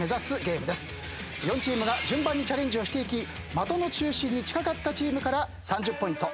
４チームが順番にチャレンジをしていき的の中心に近かったチームから３０ポイント２０